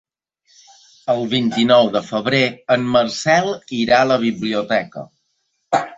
El vint-i-nou de febrer en Marcel irà a la biblioteca.